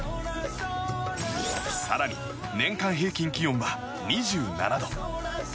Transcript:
更に、年間平均気温は２７度。